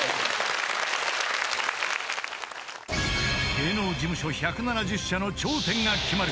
［芸能事務所１７０社の頂点が決まる］